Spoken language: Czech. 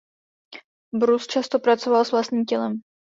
Brus často pracoval s vlastním tělem.